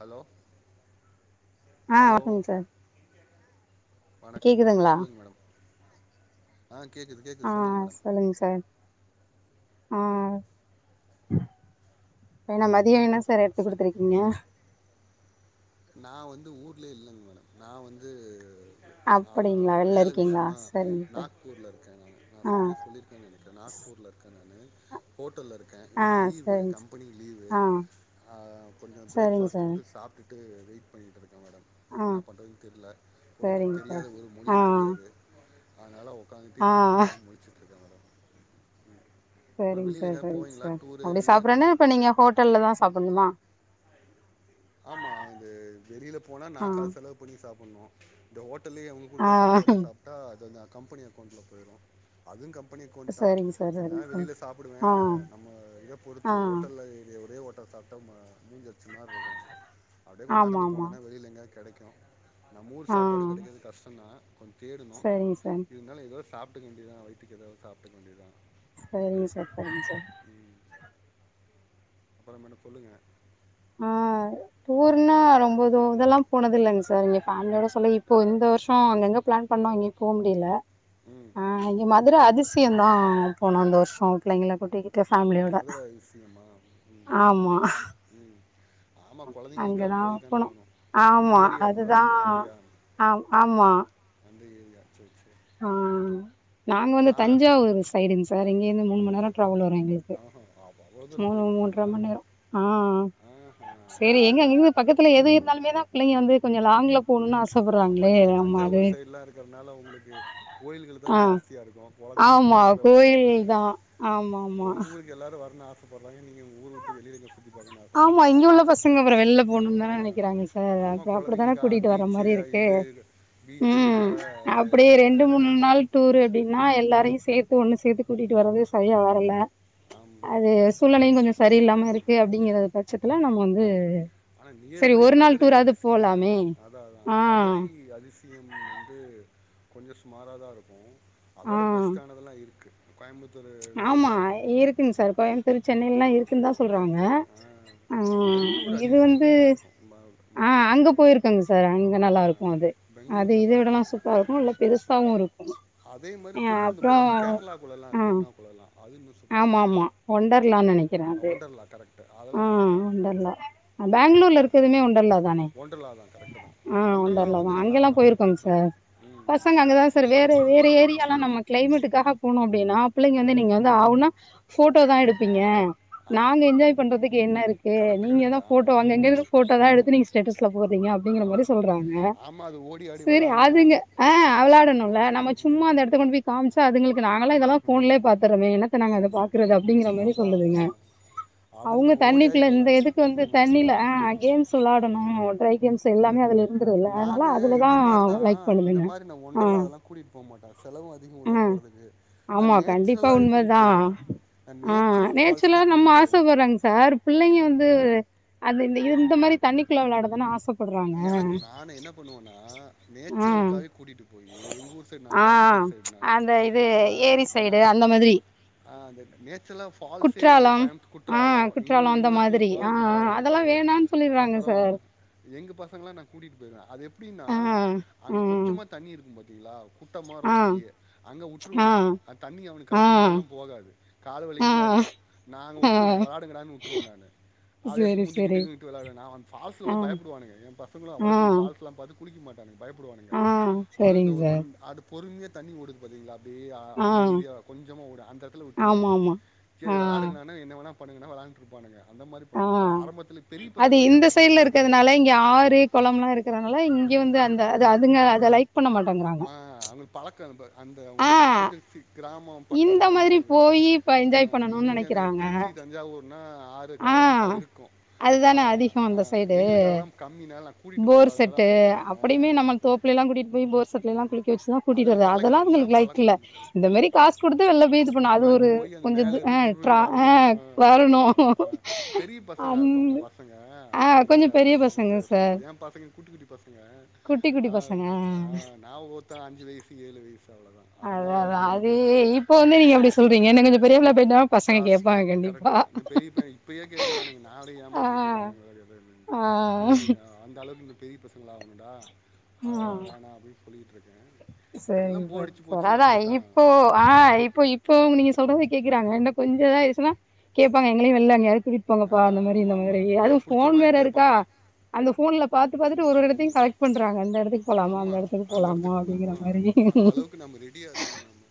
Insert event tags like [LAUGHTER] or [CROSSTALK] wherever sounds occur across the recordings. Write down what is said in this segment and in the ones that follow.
Hello ஆ வணக்கோங் sir வணக்கங் மேடம் கேக்குதுங்களா சொல்லுங்க மேடம் ஆ கேக்குது ஆ கேக்குது சொல்லுங்க மேடம் சொல்லுங்க சார் ஆ எனா மதியோ என்ன சார் எடுத்து சொ குடுத்துருக்கீங்க நா வந்து ஊர்லயே இல்லங் மேடம் நா வந்து நா அப்படிங்களா வெளில வேல இருக்கீங்களா விஷ்யமா சரிங்க சார் நாக்பூர்ல இருக்கே நானு நா ஆ சில சொல்லிருக் கநெனைக்க நாக்பூர்ல இருக்கே நானு ஹோட்டல்ல இருக்க ஆ இன்னிக்கி லீவு சரிங்க சார் கம்பெனி லீவு ஆ ஆ கொஞ்சோ சரிங்க பிரேக்ஃபாஸ்ட் சார் மட்டு சாப்டுட்டு வெயிட் பண்ணிட்டு இருக்கே மேடம் ஆ என்ன பண்றதுன் தெர்ல பொழு சரிங்க சார் தெரியாத ஒரு ஆ மொழியு தெரியாது அதனால ஒக்காந்துட்டு ஆ என்ன தெரியாம முழுச்சுட்ருக்கே மேடம் அப்புறம் சேரிங் வெளியில் சார் எங்கேயாவது சேரிங் போவீங்களா சார் டூரு அப்டி இது சாப்றதுனா இப்ப நீங்க ஹோட்டல்லதா சாப்பண்ணுமா ஆமா இது வெளில போனா நா ஆ காஸ் செலவு பண்ணி சாப்பட்ணு இந்த ஹோட்டல்லயே அவுங் ஆ குடுக்கற சாப்பாடே சாப்ட்டா அது நா கம்பெனி அக்கௌண்ட்ல பொய்ரு அதுவு கம்பெனி அக்கௌண்ட்தா சரிங்க சார் சில சரிங்க நேரோ சார் வெளில சாப்புடுவே ஆ நம்ம இத ஆ பொறுத்து ஓட்டல்ல இது ஒரே ஓட்டல் சாப் நம்ம முஞ்சி அடிச்சமார்ருக்கு அப்டியே கொஞ்சோ ஆமா நடந்து ஆமா போனன்னா வெளில எங்காது கெடைக்கு நம்ப ஊர் ஆ சாப்பாடு கெடைக்றது கஷ்டோதா கொஞ் தேடணு சரிங்க சார் இருந்தாலு எதோ சாப்ட்டுக்க வேண்டிதுதா வயித்துக்கு எதாவது சாப்ட்டுக்க வேண்டிது தா சரிங்க சார் சரிங் சார் ம் அப்பறோ மேடம் சொல்லுங்க ஆ டூர்னா ரொம்ப தூ இதெல்லா போனதில்லங் சார் இங்க ஃபேமிலியோட சொல்ல இப்போ இந்த வர்ஷோ அங்கங்க ப்ளான் பண்ணோ எங்கயு போ முடில ம், ஆ ம். இங்க மதுர அதிசியந்தா போனோ இந்த வர்ஷோ பிள்ளைங்கள கூட்டிக்கி ட்டு ஃபேமிலியோட மதுரை அதிசயமா? ம், ம். ஆமா ம் ஆமா கொழந்தைங்களுக்காக அங்கதா போய் தானே போனோ ஆவுணு நீங்க அந்த ஆமா ஏரியா போல அதுதா இருக்கு அப்டியா ஆ ஆமா அந்த ஏரியா சேர் சே ஆ நாங்க வந்து தஞ்சாவூரு சைடுங் சார் இங்கேர்ந்து மூண்மண் நேரோ ட்ராவல் வரு எங்களுக் ஆஹா அப்ப அவ்வளோ தூரம் மூணு மூன்ற போயிருக்கீங்களா மண் நேரோ ஆ ஆஹா சேரி எங்க அப்படின்னு இவுங்க பக்கத் த்துல எது இருந்தாலுமே தா பிள்ளைங்க வந்து கொஞ்சோ லாங்ல போணுன்னு ஆசப்பட்றாங்களே ஆமா அது ங்கிறதுனால உங்களுக்கு கோயில்கள்தா ஆ ஜாஸ்தியா இருக்கு கொழந்தைங்களுக்கு ஆமா கோயில் கொளோலா காட்டுங்க தான் ஆமா ஆமா உங்க ஊருக்கு எல்லாரு வரணுன்னு ஆசப்பட்றாங்க நீங்க ஊரு விட்டு வெளிய நீங்க ஆமா இங்க உள்ள பசங்க அப்றோ வெள்ல போணுன்னுதானே ஆ நெனைக்கிறாங்க சார் அப்ற ஆமாம் அப்டி தான குழந்தைங்களுக்கு கூட்டிட் ட்டு வர பீச்சு மாரி இருக்கு இது பீச்சு ம் மலை அப்டி ரெண்டு மூணு நாள் டூர் அப்டின்னா எல்லாரையு சேத்து ஒன்னு சேத்து கூட்டிட்டு வர்றது சரியா வரல அது ஆம் சூழ்நிலையு கொஞ்சோ சரியில்லாம இருக்கு அப்டிங்கறது பட்சத்துல நம்ம வந்து ம் ஆனா சரி நியர்பை ஒரு நாள் மதுரை டூராவது அதிசயோ தா போலாமே அதா அதா ஆ மதுரை அதிச யம் வந்து கொஞ்சோ சுமாரா தா இருக்கு ஆ அதோட பெஸ்ட்டானதுலா இருக்கு கோயம்புத்தூரு இது நல்லாருக்கு ங் சார் கோயமுத்தூர் சென்னைலலா இரு க்குனு தா சொல்றாங்க இருக்கு ஆ, ஆ பெங்களூர் இது அதிசயம் வந்து நல்லாயிருக்கும் ம- ஆ ம். அங்க போயிரு க்காங்க சார் அங்க ஆ, நல்லா இருக்கு அது அது பெங்களூர் இத விடலா நல்லாயிருக்கும் சூப்பரா இருக்கு நல்ல ம். பெருசாவு இருக்கு அதே மாரி திருவந்தபுரம் கேரளா குள்ளலா இருக்கு எர்னாகுளோலா ஆமாமா ஒண்டர்லானு நெனைக்கிறே அது ஒண்டர்லா கரெக்டு அதெல்லாம் ஆ நல்லாயிருக்கும் ஒண்டர்லா ஆ பேங்ளூர்ல இருக்கதுமே ஒண்டர்லா தானே ஒண்டர்லா தான் கரெக்டு தான் ஆ அந்த ஒண்டர்லா தா வந்து அங்கெல்லா நல்லாயிருக்கும் அந்த போயிருக்கோங் குரூப் சார் நல்லாயிருக்கும் ம் பசங்க ம், அங்கதா சார் வேற வேற ஏரியாலா நம்ம கிளைமேட்டுக்காக போனோ அப்டின்னா பிள்ளைங்க ம் வந்து ம் நீங்க வந்து ஆவூனா ஃபோட்டோ தா எடுப்பீங்க ஆமா நாங்க ஆமா என்ஜாய் பண்றதுக்கு என்ன இருக்கு நீங்கதா ஃபோட்டோ அங்கங்க ஃபோட்டோ ஆமாம் தா எடுத்து ஆமாம் நீங்க ஸ்டேட்ஸ்ல போட்றீங்க அப் டிங்கற மாரி ஆமாம் சொல்றாங்க ஆமாம் அது ஓடி ஆடி செரி விளாட்ணும் அதுங்க ஆ வெளாடுணுல நம்ம ம் சும்மா ம் அந்த எடத்த கொண்டு போய் காம்ச்சா அதுங்களு இங்கு நாங்களா இதெல்லா ஃபோன்லே ம் பாத்துறமோ என்னத்த நாங்க அத ம் பாக்குறது அப்டிங்கிற மாரி அதான் அதான் சொல்லுதுங்க அதான் அவுங்க அதுங்களுக்கு ஓடி ஆகி தண்ணிக்குள்ள இந்த விளாட்ணும் எதுக்கு வந்து ம் தண்ணில ஆ கேம்ஸ் வெளாடணு ட்ரை கேம்ஸ் எல்லாமே அதுல இருந்துருல்ல அதனால நானு அதுலதா இந்த மாரிதா லைக் இந்த பண்ணுதுங்க மாரி நா ஆ ஒண்டர்லா அதெல்லா கூட்டிட்டு போமாட்ட செலவு அதிகோ உள்ள ஆ போறதுக்கு ஆமா கண்டிப்பா உண்மதா நான் ஆ நேச்சுரல் நேச்சர்லா ஃபால்ஸ்க்கே நம்ம கூட்டிகிட்டு ஆச போயிடுவேன் வரு ங்க சார் பிள்ளைங்க ம். வந்து அந்த இந்த இந்த மாரி தண்ணிக்குள்ள வெளாட தான ஆசப் எனக்கு நானு என்ன பண்ணுவேனா ஆ நேச்சுரல்க்காகவே கூட்டிட்டு போயி எங் ஊர் சை நா ஆ கோயம்புத்தூர் சைட் நானு அந்த இது ஆனா ஏரி அண்ணா சைடு அந்த மாதிரி ஆ இந்த நேச்சுலா ஃபால்ஸே குற்றாலம் கோயம்புத் ஆ குற்றாலோ குற்றாலம் இங்கவந்து அந்த இங்கவந்து கோ மாதிரி ஆ கோவை ஆ குற்றாலோ அதெல்லா இருக்கு வேணான்னு சொல்லிடுறாங்க அப்பறோ சார் எங்க பசங்கள நா கூட்டிட்டு போயிருவே அது எப்டின்னா ஆ ஆ அங்க கொஞ்சமா தண்ணி இருக்கு பாத்தீங்ளா குட்டம் ஆ மார்ருக்கு அங்கயே அங்க வுட்ருவே நானு அந்தண்ணி அவனுக்கு ஆ ஆ கழுத்துக்கு மேலெல்லா போகாது காலு ஆ வலிக்குந்தா இருக்கு நாங்க ஆ விட்டுருவே வளையாடுங்கடான்னு விட்ருவே நானு அது எடுத்து சேரி சேரி முந்திக்கிட்டு [UNINTELLIGIBLE] விளையாடுவே நா வந்து ஃபல்ஸ்ல ஆ விட பயப்படுவா வானுங்க எ பசங்களு ஆ அவ்ளோ பெரிய ஃபால்ஸ்லா பாத்து குளிக்க மாட்டனுங்க பயப்படுவானுங்க ஆ சேரிங்க அவ சார் ஓன் அடுத் பொறுமையா தண்ணி ஓடுது பாத்தீங்ல்லா அப்டியே ஆ அமைதியா கொஞ்சமா ஓடு அந்த எடத்துல விட்டுருவ ஆமா நானு ஆமா ஆ சேரி விளையாடுங்கடா அண்ணா என்ன வேணா பண்ணுங்கன்னா வெளயான்ட்டு இருப்பானுங்க அந்த மாரி ஆ பண்ணுவே அது ஆரம்பத்துல பெரிய அது பசங்கள இந்த ஏமாத்த சைட்ல முடியாது இருக்கிறதுனால இங்க ஆறு குளம்லா இருக்கிறனால ம் இங்க வந்து அந்த அதுங்க அத லைக் பண்ண மாட்டங்கற அம்மா அங்குக்கட்டு பழக்க ரொம்ப அந்த ஆ உங்க கொஞ்ச கிராமம் பக் க்கோ இந்த மாதிரி வரும்போது போயி இப்ப அ என்ஜாய் பண்ணணும்னு நீங்க அந்த நெனைக்கிறாங்க திருச்சி தஞ்சாயூர்னா ஆ [UNINTELLIGIBLE] பயிருக்கு அ அதுதான அதிகோ அ அந்த சைடு எங்களுக்கு அதெல்லா கம்மினால நா கூட்டிட்டு போகாதனாலா போயிருவானுங்க அ அ பிள்ளல்லா கூட்டிட்டு போய் போர் செட்லலா குளிக்க வச்சுதா அது அவங்க கூட்டிட்டுவரது அதெல்லா பழக்கம் அவங்களுக்கு எல்லாம் லைக் பழக்கம் இல்ல தான் இந்த மாரி காசு குடுத்து வெளில போய் இது பண்ணு அது மேலே ஒரு போய் அந்த கொஞ்ச இது அ மேலேருந்து ட்ர அ வரணு அ பெரிய பசங்க அந் இருப்பாங்க உங்க பசங்க ஆ கொஞ்ச அதனால அது பெரிய இப்ப பசங்க சார் ஏ பசங்க குட்டி குட்டி பசங்க குட்டி குட்டி ஆனா பசங்க அ நா ஒருத்த அஞ்சு வயசு ஏழு வயசு அவ்ளோதா அதனால அவங்களுக்கு இப்ப வந்து அஹ், நீங்க அப்டி சொல்றீங்க இன்னு கொஞ்சோ பெரிய பிள்ளயா போயிட்ட பசங்க கேப்பாங்க கண்டிப்பா பெரியப்பையே இப்பயே கேக்குறானுங்க நானு ஆ ஏமாத்திகிட்ருக்கே அவனுங்கள அது இதுன்ட்டு ஆ இன்னு கொஞ்சோ அ அந்தளவுக்கு இன்னு பெரிய பசங்களா ஆகணுடா அதெல்லா வேணா அப்டின்னு சொல்லிக்கிட்ருக்கே சேரிங்க சார் அதாது இப்போ ஆ இப்போ இப் ப்போ நீங்க சொல்றத கேக்குறாங்க இன்னு கொஞ்சோ இதாயிருச்சுனா கேப்பாங்க எங்களயு வெள்ள எங்கயாவது கூட்டி ஆ போங்கப்பா அந்த மாரி இந்த ஆமாம் மாரி ஆமாம் அது அவனுக்கு பிடிச்ச ஃபோன் மாதிரி வேற கேட்பான் இருக்கா அவன் அந்த ஃபோன்ல பாத்து பாத்துட்டு ஒரு ஒரு எடத்தயு கலெக்ட் பண்றாங்க அந்த எடத்துக்கு போலாமா ஆமா அந்த எடத்துக்கு போணு அந்தளவுக்கு நம்ம ரெடியாருக்கணு நம்ம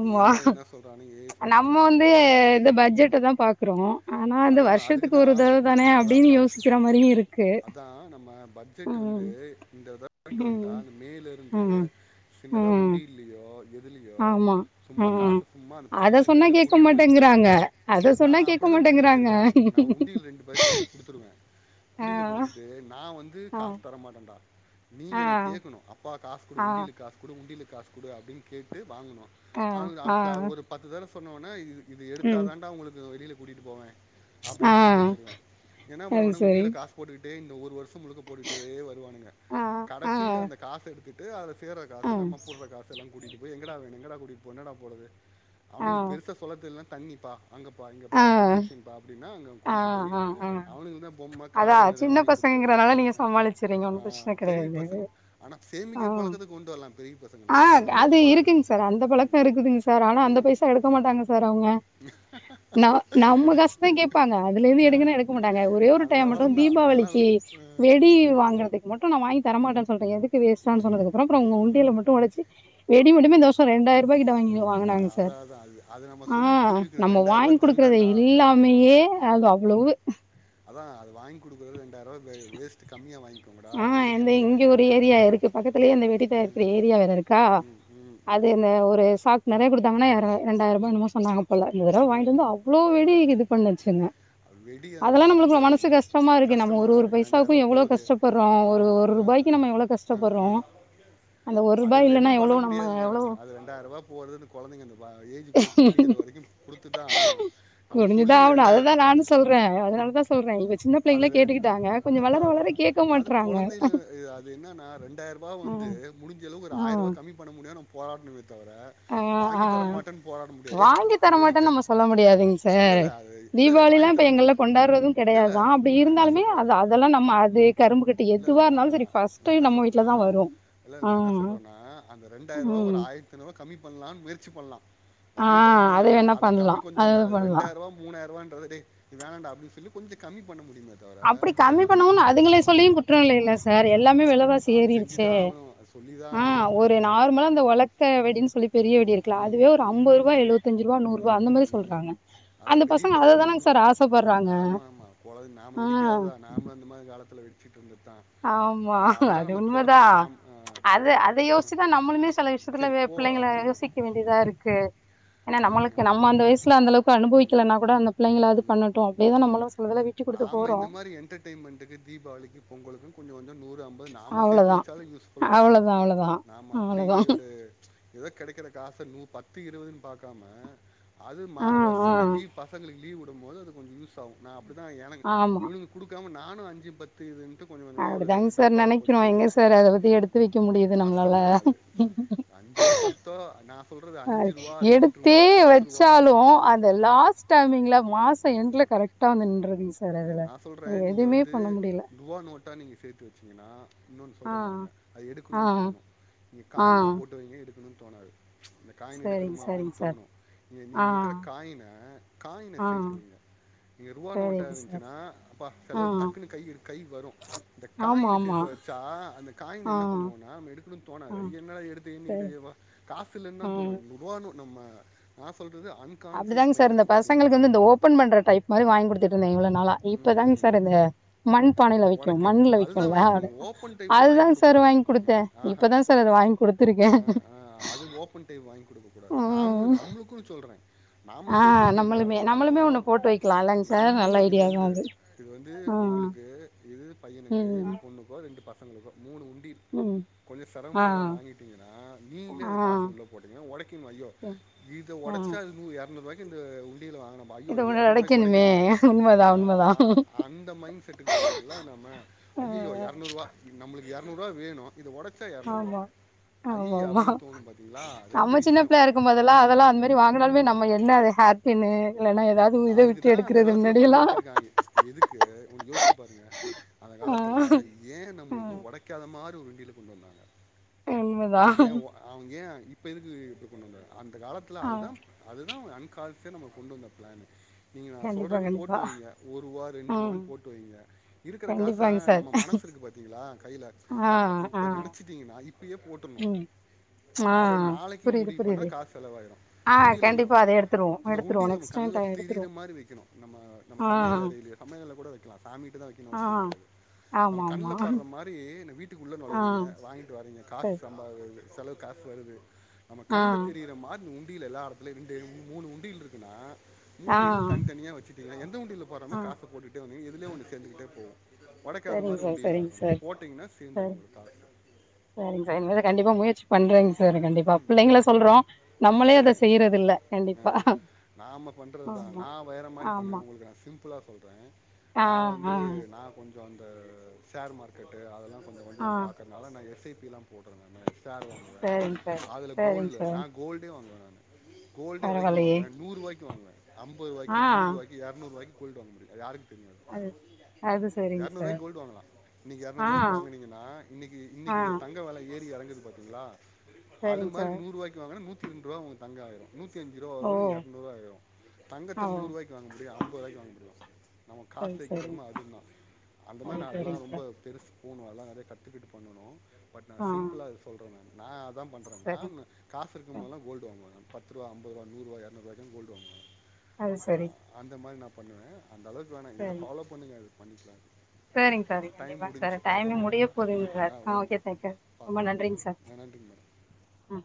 நீங்கள் என்ன என்ன சொல்கிறானுங்க ஏது நம்ம சொல்கிறாங்கன்னு வந்து தெரியணும் இது பட்ஜெட்ட தா பாக்றோ ஆனா அந்த அதான் அதுக்கு வர்ஷத்துக்கு ஒரு தான் தடவ தானே அதான் அப்டின்னு பட்ஜ் யோசிக்கிற மாரியு இருக்கு பட்ஜட் ம் வந்து இந்த [UNINTELLIGIBLE] வன்டா ம் அந்த மே ல இருந்து ம் சின்னதா ம் உண்டில்லையோ எதுலயோ ஆமா சும்மா ம் காசு சும்மா அந்த அத பசங்கள சொன்னா கையில கேக்க கூட்டிட்டு போய் மாட்டேங்கிறாங்க அத நா சொன்னா கேக்க அப்டிதா பண்ணிட் மாட்டேங்கிறாங்க வச்சிருக்க நானு நா உண்டியில் ரெண்டு பேர் கையில குடுத்துருவே ஆ புடியில குடுத்துட்டு நா வந்து க்கு ஆ காசு தரமாட்டேண்டா நீங்க ஆ எனைய கேட்கணு அப்பா காசு குடு ஆ உண்டியலுகு காஸ் கு குடு உண்டியல் காசு குடு அப்டின்னு கேட்டு வாங்கனு ஆ அவ் ஆ அடுத் ஒரு பத்து தடவ சொன்னோன இது இது ம் எடுத்தாதாண்டா உங்களுக்கு வெளியில கூட்டிட்டு போவே ஆ அப்டின்னு சொல்லி வச்சிருவே என்ன அது பண்ணுவானு சரி உண்டியில காசு போட்டுக்கிட்டே இந்த ஒரு வர் ஷ முழுக்க போட்டுடே வருவானுங்க ஆ ஆ கடசில அந்த காசு எடுத்துட்டு அதுல சேர்ற ஆ ஆ காசு நம்ம போட்ற காசு த்தலா கூட்டிட்டு போய் எங்கடா வேணு எங்கடா கூட்டிட்டு போ என்னடா போறது ஆ அவனுங் பெருசாசொல்ல தெர்ல தண்ணிப்பா அங்க பா இங்க பா எக்சிபிஷன் பா அப்டின்னா அங்கே ஆ கூட்டிட்டு போய் ஆ ஆ அவனுளுக்கு தா பொம்ம அதா காரு இதெல்லா சின்ன வாங்கி குடுக்குறதுங்க பசங்கங்கிறனால நீங்க அ சமாளிச்சிறீங்க அ ஆ ஒன்னு பிரச்சன பெரிய கெடையாது பசங்க ஆனா ஆ சேமிக்க பழக்கத்த கொண்டு வரலா பெரிய ஆ பசங்களுக்கு நீங்க குடுத்து அது பழகணு இருக்குங்க சார் அந்த பழக்க இருக்குதுங்க சார் ஆனா அந்த பைசா எடுக்க மாட்டாங்க சார் அவுங்க உ [INAUDIBLE] ந நம்ம காஷ்தா கேப்பாங்க அதுல இருந்து அ. எடுங்கனா எடுக்க மாட்டாங்க ஒரே ஒரு அது டைம் மட்டு விவரம் தான். எல்லாம் தீபாவளிக்கு ம். வெடி வாங்கறதுக் மட்டு நா வாங்கி தரமாட்டசொல்ட எதுக்கு வேஸ்டானு ம். சொன்னதுக்கப்புற ம். உண்டியில மட்டும் ஒடச்சி வெடி மட்டுமே இந்தவருஷ ரெண்டாயிர ரூபாய்கிட்ட வாங் வாங்கினாங்க சார் அதான், அதான். அது அது நம்ம அ சொல்லி புரிய வைக்கணும். "ரூ. நம்ம வாங்கி குடுக்கறது தண்டம்டா." இல்லாமையே அது அவ்ளவு அதா அது வாங்கி குடுக்றது ரெண்டாயிர ரூபா வேஸ்ட் கம்மியா வாங்கி ஆ எந்த இங்க ஒரு ஏரியா இருக்கு பக்கத்திலயே ம் அந்த வெடி ம் தயாரிக்கிற ஏரியா வேற இருக்கா ம் ம் அது ம் இந்த ஒரு சாக்நெறைய கொடுத்தாங்கனா ரெண்டாயிர ரூபா என்னுமோ சொன்னாங்க போல இந்த தடவ ஆ வாங்கிட்டு வந்து அவ்ளோ ஆ வெடி இது ம் பண்ணுச்சுங்க அது வெடி அது அதெல்லா நம்ம அது நம்மளுக்கு மனசு கஷ்டமா இருக்கு நம்ம கஷ்டமாக ஒரு தான் ஒரு இருக்கும் ரெண்டாயிரம் ரூபா பைசாவுக்கு எவ்ளோ போகுது கஷ்டப் ப்பறோ ஆ ஒரு ஆ ஆ ரூபாய்க்கு நம்ம எவ்ளோ ஆ கஷ்டப்படுறோ ஆ அது எதுவு பண்ண நம்ம முடியாது எவ்வளோ மேடம் அது ரெண்டாயிரூவா போகது அந்த குழந்தைங்க அந்த ஏஜ் குரூப் முடியுற வரைக்கு குடுத்து தா ஆகணு நம்ப சொல்லி ரெண்டா சொல்ற அதனால தா அத அதா வளர அதா வளர கேட்க அது மாட்றாங்க கொழந்தைல அது என்னன்னா ரெண்டாயிர ரூவா வந்து ஆஹ் முடிஞ்சளவு ஒரு ஆயிர ரூவா கம்மி பண்ண முடியு நாம போராடணுமே தவிர ஆ வாங்கி ஆ தர மாட்டேன்னு போராட முடியாது ஏ வாங்கி இது வெடிக்க தரமாட்டேனு நாம சொல்ல முடியாதுங்க இல்லை சார் இல்லை அது இல்லை இல்லை, தீபாவளிலா வாங்கி இப்ப தர எங்கல மாட்டேன் கொண்டாடுறது இல்லை இல்லை கெடையாதா அப்டி நான் என்ன இருந்தாலுமே சொல்கிறேன் அது அதெல்லா நம்ம அது கரும்பு கட் டு இல்லை இல்லை எதுவா இருந்தாலு சரி ஃபர்ஸ்ட் டைம் நம்ம வீட்லதா வரு இல்ல நா என்ன சொல்றனா அந்த ரெண்டாயிர ரூவாவ உம் ஒரு ஆயிரத்தி ஐநூறு ரூவா கம்மி பண்ணலானு முயற்சி பண்ணலா ஆ வாங்கி தர அது முடியாதுனு இல்ல வேணா அத கம்மி பண்லாம் கொஞ்ச அது பண்லாம். ரெண்டாயிரூவா மூணாயிர ரூவான்றத டேய் வேணான்டா அப்டினு சொல்லி கொஞ்ச கம்மி பண்ண முடியுமா அப்டி கம்மி பண்ணனு அதுங்கள சொல்லியு குற்ற இல்லல்ல சார் சார் ஆ எல்லாமே வெலவாசி அது செஞ்சு ஏறிடுச்சே தான் ஆகணும் அது சொல்லி தான் ஆ ஆகணும் ஒரு ஆ, நார்மலா இந்த ஒலக்க வெடின் சொல்லி பெரிய ம் வெடி இருக்குல ம் அதுவே ஒரு ம் ஐம்பது ரூவா எழுவ அம்பதஞ்சுரூவா நூரூவா ம் அந்த ம் மாரி ம் சொல்றாங்க அந்த அதான் பெரிய பசங்க அததானேங்க சார் ஆசைப்படுறாங்க போலது நாம வெடிக்காததா நாமு இந்த மாதிரி காலத்தில வெடிச்சிட்டுருந்தது தா ஆமா அது உண்மதா ஆ, அது அதை யோசிச்சுதா நம்மளுமே சில விஷய சரி இப்டி நா போ பிள்ளைங்கள ஆமாம் யோசிக்க ஆமாம் வேண்டியதா ஆமாம் இருக்கு ஏனா ம் நம்மளுக்கு நம்ம அந்த ஆமாம் வயசுல அந்த அளவுக் இப்ப ம், அனுபவிக்கலனா கூட அந்த ம், பிள்ளைங்கள ம், அது ம், ம். பண்ணட்டு அப்டி நம்மள சொல்லது நாம இந்த மாரி என்டர்டயின்மெண்டுக்கு தீபாவளிக்கு பொங்கலுக்கு கொஞ்ச கொஞ்ச நூறு ஐம்பது நாம அவ்ளோதான். சேத்து வச்சாலு யூஸ்ஃபுல்லா இருக்கு அவ்வளோதான் அவ்வளோதான் நாம அப்டி அவ்வளோதான். ஒரு ஏதோ கெடைக்கிற காச நூ பத்து இருவதுனு பாக்காம அது மா ஆ, வருஷ ஆ. அந்த லீவ் பசங்களுக்கு லீவ் விடும்போது அது கொஞ்ச யூஸ் ஆகு நா அப்டி தா எனக் இவனுங் குடுக்காம நானு அஞ்சு பத் அப்டிதாங்க சார் நெனைக்கிறோ சேர்த்து எங்க வச்சேன். சார் அத பத்தி ம். எடுத்து வைக்க முடியுது நம்மளால கஷ்டம் தான் அது. நான் சொல்றது ரூ. அ ரூ. ரூ. எடுத்தே வச்சாலு ம், அந்த ம். லாஸ்ட் டு டைமிங்ல மாச ம் என்ட்ல கரெக்டா வந்து ம் நின்றதுங் சார் அது அதுல. நான் சொல்ற நீங்க எதுவுமே வந்து பண்ண முடியல. ரூவா நோட்டா நீங்க சேத்து வச்சீங்கனா இன்னொனு ஆ, சொல்ற பாருங்க அது ஆ, எடுக்கணுனு தோணு நீங்க ஆ. காயினா போட்டு வைங்க எடுக்கணுனு தோணாது இந்த காயின் சரிங்க, எடுக்கணுமா சரிங்க அப்டின் சார். தோணு இங்க ஆ, நீங்க எடுக்கிற காயின காயின ஆ. சேத்து வைங்க நீங்க ரூபா நோட்டா சரிங்க வைங் சார். சுனா அப்பா ஆ. செலவுக்கு டக்குன்னு கை கை வரு இந்த காயின ஆமாமா. சேத்து வைச்சா அந்த காயின ஆ, என்ன பண்ணுவோனா நம்ம எடுக்கணுனு ஆ. தோணாது என்னடா எடுத்து சரி. எண்ணிக்கிட்டேவா காசில்லன் தா தோணு ம். ரூவானு நம்ம நா சொல்றது அன் அப்டிதாங்க சார் இந்த பசங்களுக்கு வந்து இந்த ஓ ப்பன் பண்ற டைப் மாரி வாங்கி குடுத்துட்டு இருந்தே இவ்ளோ நாளா இப்ப ம் தாங்க ம் சார் இந்த மண் பானையில விக்யூ உடைக்கிறது மண்ல அதுதான் விக்யூம்ல வாங்கி கொடுக்கணும் ஓப்பன் டைப் அதுதா வாங்கி சார் கொடுக்கக்கூடாது வாங்கி குடுத்தே ம்ஹும் ஆஹா இப்பதா சார் அது வாங்கி குடுத்திருக்கே ஆ ஆ அது ம் இப்பவு சொல்றே நாம ஆ சேத்து வெக்கறதா [UNINTELLIGIBLE] நம்மளுமே இருந்தாலு நம்மளுமே ஒண்ணு போட்டு வைக்கலா இல்லைங்க சார் நம்மளு நல்ல இது ஐடியாதா வந்து அது இது வந்து ஆ உங்களுக்கு இது பையனுக்கு இது ம் பொண்ணுக்கோ ரெண்டு பசங்களுக்கோ மூணு உண்டில் ம் கொஞ்ச சிரம ஆ பக்கம வாங்கிட்டீங்கன்னா நீங்களே அந்த ஆ காசு உள்ள போட்டீங்கன்னா ஒழைக்கு ஐயோ இத ஆ உடச்சா இன்னு இருநூறு ரூபாக்கு இந்த உண்டியில வாங்குனா ஐயோ இத இது ஒன்னு இருநூறு ரூவாய்க்கு நெனைக்கணுமே ஒடைக்கணுமா அ உண்மதா உண்மதா அ அந்த மைண்ட் செட்டுக்கு போவோல்ல நம்ம ஐயையோ ம் இருநூறு ரூவா நம்மளுக்கு இருநூறு ரூவா வேணு இது ஒடச்சா இருநூறுரூவா ஆமா ஆமா ஐயையோ அப்டின்னு தோணு பாத்தீங்களா ரெண்டு விஷ்யோ க்கு போதெல்லா அந்த மாரி வாங்கினாலுமே நம்ம என்ன அது ஹேர்பின்னு இல்லனா ஏதாவ்து அதுக்குதா அந்த காலத்துல பண்ணி வச்சிருக்காங்க எதுக்கு கொஞ்சோ யோசிச்சு பாருங்க அந்த ஆ காலத்துல ஏன் ம் நம்மளுக்கு ஒடைக்காத மாரி ஒரு உண்டியல கொண்டு வந்தாங்க உண்ம ஏன் அவுங்க ஏன் இப்ப எதுக்கு இப்டி பண்ணுங்க அந்த காலத்துல ஆ அதுதா அதுதா அவுங்க அன்கால்சே நம்ம கொண்டு வந்த பிளானு நீங்க நா கண்டிப்பா சொல்றேன்னு கண்டிப்பா போட்டு வைங்க ஒரூவா ம் ரெண்ட்ரூவான்னு போட்டு வைங்க இருக்குற காச கண்டிப்பாங்க சார் நம்ம மனசுருக்கு பாத்தீங்களா கைல ஆ ஆ இப்ப நெனைச்சிட்டீங்கனா இப்பயே போட் ம் ஆ அத நாளைக்கி புரியுது முடிவு பண்ணா புரியுது காசு செலவாயிடு ஆ உண்டியில என்ன கண்டிப்பா அத எடுத்துருவோம் அந்த எடுத்துருவோம் உண்டில் நம்ம நெக்ஸ்ட் டைம் கண்ல ட தெரியிற எடுத்துருவோம் மாரி வக்கணு நம்ம நம்ம ஆ சமையல் அறைல சமையல்ல கூட வக்கலா சாமிட்ட தா வைக்கணு ஆ அவசிய கடயாது ஆமா ஆமா இப்பயே என்ன வீட்டுக்குள்ள ஆ நுழைய்றீங்க வாங்கிட்டு வர்றீங்க காசு சரி சம்பாரிச் செலவு காசு வருது நம்ம ஆ கண்ல தெரிற மாரி உண்டியல எல்லா எடத்துல ரெண்டு மூணு உண்டியில் இருக்குன்னா ஆ மூணு இதுல தனிதனியா வச்சுட்டீங்கன்னா எந்த உண்டியில போர்றமோ ஆ காச போட்டுட்டே வந்தீங்க எதுலயோ ஒன்னு சேந்துக்கிட்டே போவு ஒடைக்காத சரிங்க மாரி சார் உண்டியலா சரிங்க இருக்கணு சார் போட்டீ ங்கன்னா சேந்துரு உங்களுக்கு காசு செரிங் சார் இனிமேலு கண்டிப்பா முயற்சி பண்றேங் சார் ம் கண்டிப்பா பிள்ளைங்கள சொல்றோ நம்மளே அத செய்யறதில்ல கண்டிப்பா நாம பண்றதுதா ஆமா நா வேற மாரி ஆமா பண்ணுவே உங்களுக்கு நா சிம்ப்ளா சொல்றே ஆ நா வந்து ஆ நா கொஞ்சோ அந்த ஷேர் மார்க்கெட்டு அதெல்லா கொஞ்ச கொஞ்சோ ஆ நா பாக்குறதுனால நா எஸ் ஐ பி லா போட்டுறே நானு ஷேர் வாங்குவே சரிங்க சார் அதுல சரிங்க கோல்டுல நா சார் கோல்டே வாங்குவே நானு கோல்டே எவ்ளக்கி தெரிமா பரவாயில்லையே வாங்க நூறுவாய்க்கு வாங்குவ அம்பது ரூவாய்க்கு நூறு ஆ ரூவாய்க் இருநூறு ரூபாக்கு கோல்டு வாங்க முடியும் அது யாருக்கு தெரியு அது அது சரிங்க இருநூறு சார் ரூபாய்க்கு கோல்டு வாங்கலா இன்னைக்கு ஆ இருநூறு ரூவாய்க்கு வாங்குனீங்கன்னா இன்னைக்கி ஆ இன்னைக்கி தங்க வேல ஏறி இறங்குது பாத் ங்களா அது சரிங்க மாரி சார் நூறுவாய்க்கு வாங்கனா நூத்தி இரண்டு ரூபா உங்களுக்கு தங்கம் ஆயிரும் நூத்தி அஞ்சுரூபா ஓ வரது இருநூறுவா ஆயிரு ஆ தங்கத்த ஓ நூறுவாய்க்கு வாங்க முடியு அம்பது ரூவாக்கு வாங்க முடியு நம்ம சரி காசு சரிங்க [UNINTELLIGIBLE] சார். அதுதா அந்த மாரி அது நா அதெலா சரிங்க ரொம்ப சார் பெருசு போனு வேலல்லா நெறய கத்துக்கிட்டு பண்ணணு பட் நா ஆ சிம்பிளா இது சொல்றனா நா அதா பண்ற சரிங்க நானு காசு இருக்கு சார் போதுலா கோல்டு வாங்குவ பத்ரூவா ஐம்பதுரூவா நூறுவா இரநூறுவாக்குலா கோல்டு வாங்குவ அது சரி அந்த மாரி நா பண்ணுவே அந்தளவுக்கு வேணா இத சரிங்க ஃபாலோ பண்ணுங்க அது பண்ணிக்கலா செரி சரிங்க சார் டைம் கண்டிப்பாங்க சார் முடிஞ்ச்சு டைமிங் பாக்லாங்க ஆ முடிய ஆ போகுதுங்க சார் ஆ ஓகே தேங்க் யூ ரொம்ப பாக்லா நன்றிங்க சார் ந நன்றிங்க மேடம் ஆ